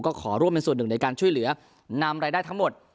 ก็ขอร่วมเป็นส่วนหนึ่งในการช่วยเหลือนำรายได้ทั้งหมด